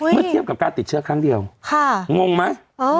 เมื่อเทียบกับการติดเชื้อครั้งเดียวงงไหม